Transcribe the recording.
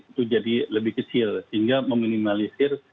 itu jadi lebih kecil sehingga meminimalisir